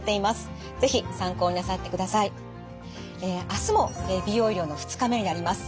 あすも美容医療の２日目になります。